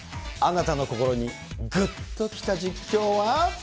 あなたの心にぐっときた実況は？